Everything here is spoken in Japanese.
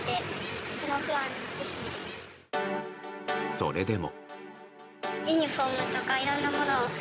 それでも。